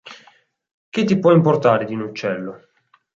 Che ti può importare di un uccello?